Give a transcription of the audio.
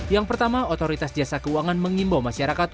yang pertama otoritas jasa keuangan mengimbau masyarakat